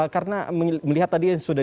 karena melihat tadi yang sudah